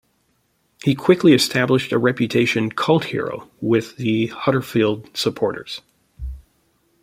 He quickly established a reputation cult hero with the Huddersfield supporters.